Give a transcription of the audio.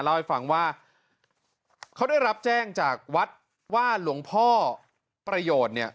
เล่าให้ฟังว่าเขาได้รับแจ้งจากวัดว่าหลวงพ่อประโยชน์เนี่ย